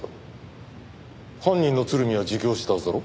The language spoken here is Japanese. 犯人の鶴見は自供したはずだろ？